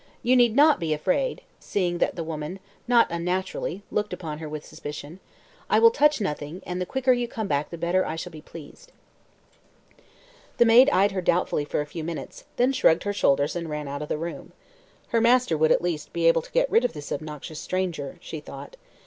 "You need not be afraid" she added, seeing that the woman not unnaturally looked upon her with suspicion. "I will touch nothing, and the quicker you come back the better I shall be pleased." The maid eyed her doubtfully for a few minutes, then shrugged her shoulders and ran out of the room. Her master would, at least, be able to get rid of this obnoxious stranger, she thought.